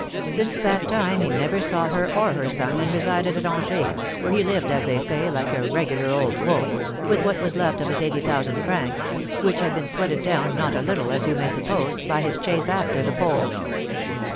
Since that time he never saw her or her son, and resided at Angers, where he lived, as they say, like a regular old wolf, with what was left of his eighty thousand francs, which had been sweated down not a little, as you may suppose, by his chase after the Pole.